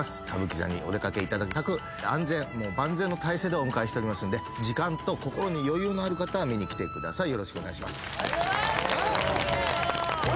歌舞伎座にお出かけいただきたく安全万全の体制でお迎えしておりますんで時間と心に余裕のある方は見に来てください